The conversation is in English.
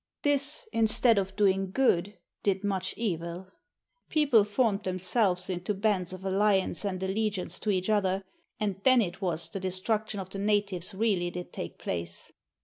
This, instead of doing good, did much evil. People formed themselves into bands of alliance and allegiance to each other, and then it was the de struction of the natives really did take place.